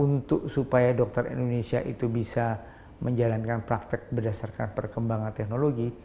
untuk supaya dokter indonesia itu bisa menjalankan praktek berdasarkan perkembangan teknologi